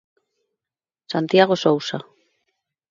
Santiago Sousa.